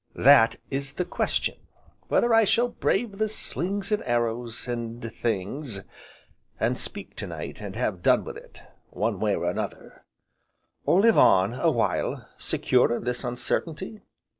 "That is the question! whether I shall brave the slings, and arrows and things, and speak tonight, and have done with it one way or another, or live on, a while, secure in this uncertainty?